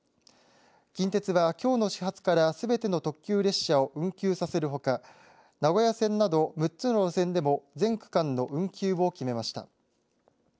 近鉄はきょうの始発からすべての特急列車を運休させるほか名古屋線など６つの路線でも全区間の運休を決めました。